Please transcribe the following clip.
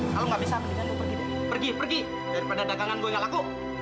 kalau nggak bisa pergi pergi pergi pergi daripada dagangan gue nggak laku